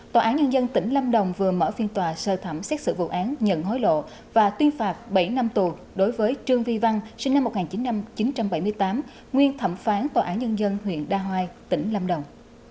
tòa án nhân dân tỉnh lâm đồng vừa mở phiên tòa sơ thẩm xét xử vụ án nhận hối lộ và tuyên phạt bảy năm tù đối với trương vi văn sinh năm một nghìn chín trăm bảy mươi tám nguyên thẩm phán tòa án nhân dân huyện đa hoai tỉnh lâm đồng